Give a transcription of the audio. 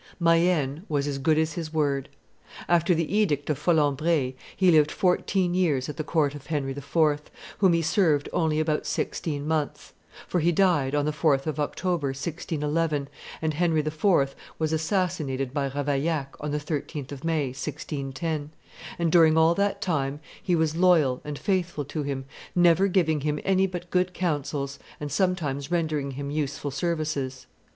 ] Mayenne was as good as his word. After the edict of Folembray, he lived fourteen years at the court of Henry IV., whom he survived only about sixteen months [for he died on the 4th of October, 1611, and Henry IV. was assassinated by Ravaillac on the 13th of May, 1610], and during all that time he was loyal and faithful to him, never giving him any but good counsels and sometimes rendering him useful services.